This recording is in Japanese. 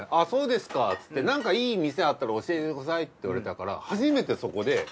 そうですかつってなんかいい店あったら教えてくださいって言われたから初めてそこで。